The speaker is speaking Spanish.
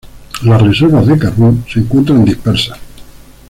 Las reservas de carbón se encuentran dispersas.